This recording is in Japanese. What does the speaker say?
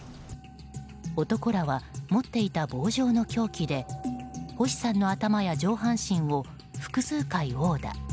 男らは、持っていた棒状の凶器で星さんの頭や上半身を複数回殴打。